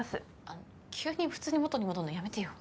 あの急に普通に元に戻るのやめてよ。